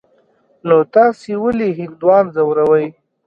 نو تاسې ولي هندوان ځوروئ.